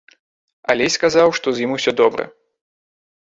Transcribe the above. Алесь сказаў, што з ім усё добра.